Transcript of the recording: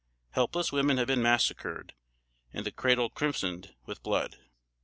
_Helpless women have been massacred, and the cradle crimsoned with blood.